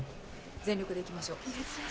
全力でいきましょう。